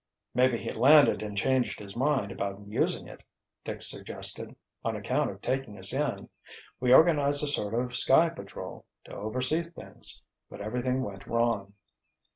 "Maybe he landed and changed his mind about using it," Dick suggested. "On account of taking us in—we organized a sort of Sky Patrol, to oversee things—but everything went wrong."